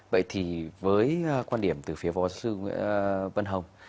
vậy thì với quan điểm từ phía phó giáo sư vân hồng